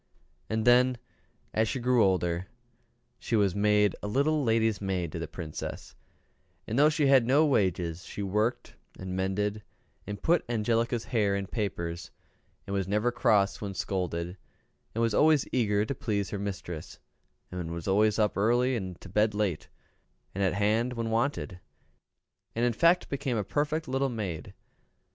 And, as she grew older, she was made a little lady's maid to the Princess; and though she had no wages, she worked and mended and put Angelica's hair in papers, and was never cross when scolded, and was always eager to please her mistress, and was always up early and to bed late, and at hand when wanted, and in fact became a perfect little maid.